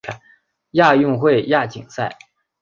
亚运会亚锦赛